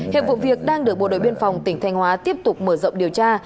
hiện vụ việc đang được bộ đội biên phòng tỉnh thanh hóa tiếp tục mở rộng điều tra